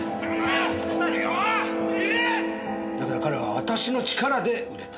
だが彼は私の力で売れた。